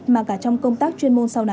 mà cả trong công tác chuyên môn sau này